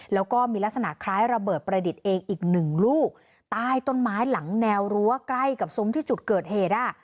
แล้วก็มีลักษณะคล้ายระเบิดประดิษฐ์เองอีกหนึ่งลูกใต้ต้นไม้หลังแนวรั้วใกล้กับซุ้มที่จุดเกิดเหตุอ่ะ